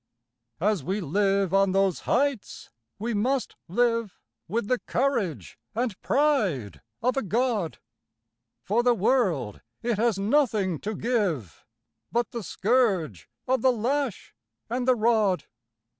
As we live on those heights, we must live With the courage and pride of a god; For the world, it has nothing to give But the scourge of the lash and the rod.